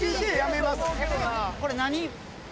これ何？